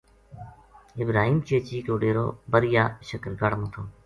ابراہیم چیچی کو ڈیرو بریا شکرگڑھ ما تھو